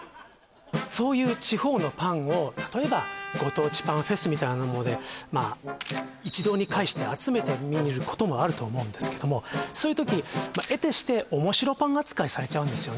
そういう地方のパンを例えばご当地パンフェスみたいなものでまあ一堂に会して集めてみることもあると思うんですけどもそういう時えてして面白パン扱いされちゃうんですよね